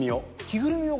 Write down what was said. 着ぐるみを？